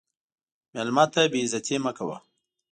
مېلمه ته بې عزتي مه کوه.